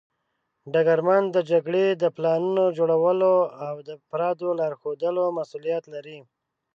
ډګرمن د جګړې د پلانونو جوړولو او د افرادو لارښودلو مسوولیت لري.